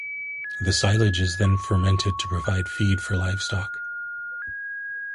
The silage is then fermented to provide feed for livestock.